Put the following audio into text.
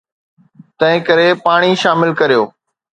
تنهنڪري پاڻي شامل ڪريو.